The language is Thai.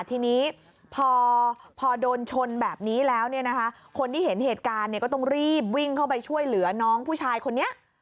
ทีนี้พอโดนชนแบบนี้แล้วเนี่ยนะคะคนที่เห็นเหตุการณ์เนี่ยก็ต้องรีบวิ่งเข้าไปช่วยเหลือน้องผู้ชายคนนี้